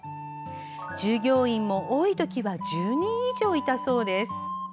従業員も、多い時は１０人以上いたそうです。